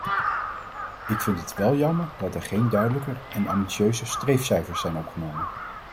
Ik vind het wel jammer dat er geen duidelijker en ambitieuzer streefcijfers zijn opgenomen.